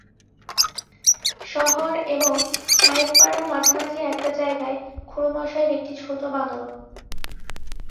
শহর এবং সাহেবপাড়ার মাঝামাঝি একটা জায়গায় খুড়োমশায়ের একটি ছোটো বাংলা।